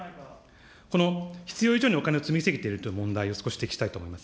この必要以上にお金を積み過ぎてる問題というのを少し指摘したいと思います。